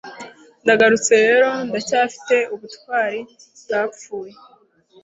Ndagarutse rero ndacyafite ubutwari bwapfuye